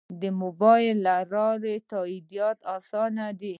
د موبایل له لارې تادیات اسانه دي؟